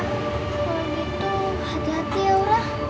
kalau gitu hati hati ya udah